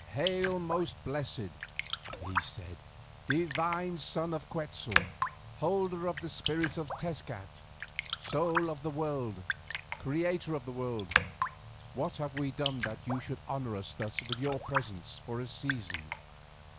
"Hail! most blessed," he said, "divine son of Quetzal, holder of the spirit of Tezcat, Soul of the World, Creator of the World. What have we done that you should honour us thus with your presence for a season?